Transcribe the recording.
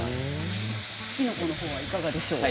きのこはいかがでしょうか。